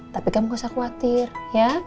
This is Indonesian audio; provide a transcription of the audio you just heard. tapi kamu gak usah khawatir ya